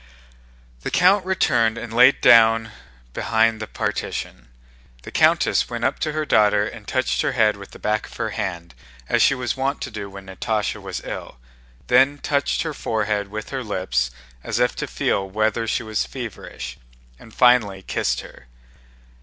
The count returned and lay down behind the partition. The countess went up to her daughter and touched her head with the back of her hand as she was wont to do when Natásha was ill, then touched her forehead with her lips as if to feel whether she was feverish, and finally kissed her.